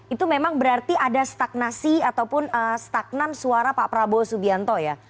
itu memang berarti ada stagnasi ataupun stagnan suara pak prabowo subianto ya